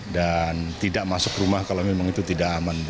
dan tidak masuk rumah kalau memang itu tidak aman